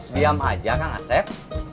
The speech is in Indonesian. diam aja kang asep